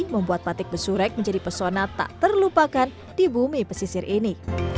membuat batik besurek menjadi pesona tak terlupakan di bumi pesisir ini